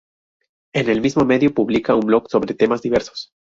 En el mismo medio publica un blog sobre temas diversos.